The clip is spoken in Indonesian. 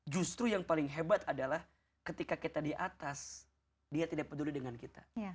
justru yang paling hebat adalah ketika kita di atas dia tidak peduli dengan kita